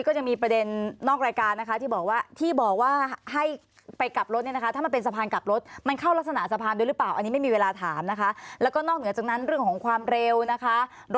คอร์นงานที่เกี่ยวข้องไว้บ้างแล้วครับ